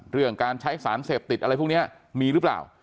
เรื่องการใช้สารเสพติดอะไรพวกนี้มีหรือเปล่า